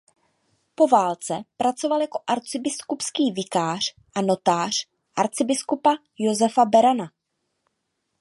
Po válce pracoval jako arcibiskupský vikář a notář arcibiskupa Josefa Berana.